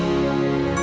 ya udah om baik